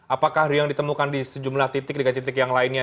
apakah yang ditemukan di sejumlah titik dengan titik yang lainnya